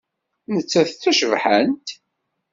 Nettat d tacebḥant.